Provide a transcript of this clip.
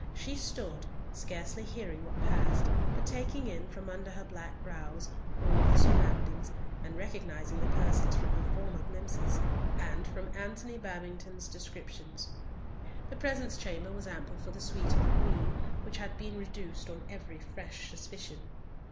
She stood, scarcely hearing what passed, but taking in, from under her black brows, all the surroundings, and recognising the persons from her former glimpses, and from Antony Babington's descriptions. The presence chamber was ample for the suite of the Queen, which had been reduced on every fresh suspicion.